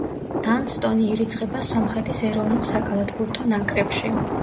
დანსტონი ირიცხება სომხეთის ეროვნულ საკალათბურთო ნაკრებში.